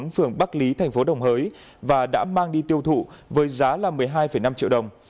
phường bắc lý thành phố đồng hới và đã mang đi tiêu thụ với giá là một mươi hai năm triệu đồng